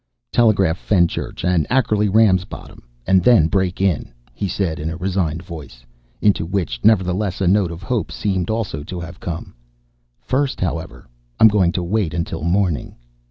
"Telegraph Fenchurch and Ackerly Ramsbottom and then break in," he said in a resigned voice, into which, nevertheless, a note of hope seemed also to have come. "First, however, I'm going to wait until morning."